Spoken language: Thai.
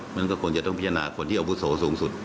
มันก็ควรจะต้องพิจารณาคนที่อาวุโสสูงสุด